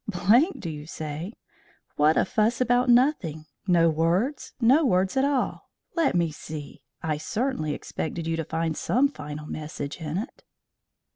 "Blank, do you say? What a fuss about nothing! No words, no words at all? Let me see. I certainly expected you to find some final message in it."